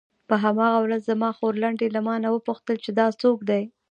په هماغه ورځ زما خورلنډې له مانه وپوښتل چې دا څوک دی.